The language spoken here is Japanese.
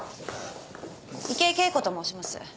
池井景子と申します。